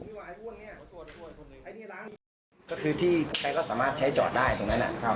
ก็คือที่ใครก็สามารถใช้จอดได้ตรงนั้นน่ะนะครับ